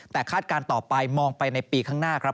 แต่คาดการณ์ต่อไปมองไปในปีข้างหน้าครับ